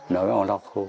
nói với ông lọc hô